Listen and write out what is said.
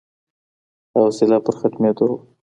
حوصله پر ختمېدو وه